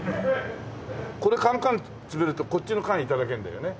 これカンカンに詰めるとこっちの缶頂けるんだよね？